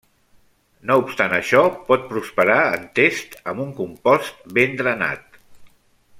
No obstant això, pot prosperar en tests, amb un compost ben drenat.